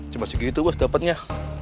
cuma segitu bos dapetnya